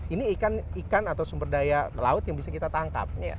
ini ikan atau sumber daya laut yang bisa kita tangkap